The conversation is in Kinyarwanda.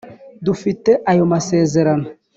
Dufite ayo masezerano